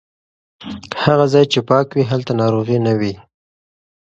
هغه ځای چې پاک وي هلته ناروغي نه وي.